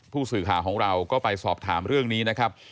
ผู้สื่อข่าวของเราก็ไปสอบถามเรื่องนี้นะครับ